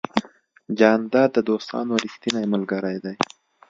جانداد د دوستانو ریښتینی ملګری دی.